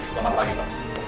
selamat pagi pak